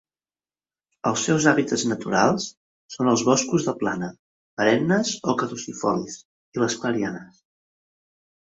Els seus hàbitats naturals són els boscos de plana, perennes o caducifolis, i les clarianes.